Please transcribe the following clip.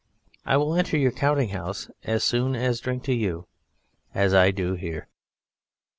I will enter your counting house as soon as drink to you, as I do here."